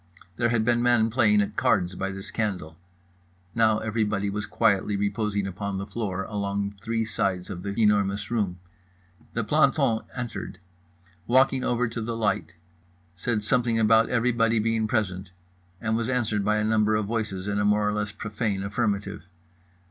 There had been men playing at cards by this candle—now everybody was quietly reposing upon the floor along three sides of The Enormous Room. The planton entered. Walked over to the light. Said something about everybody being present, and was answered by a number of voices in a more or less profane affirmative.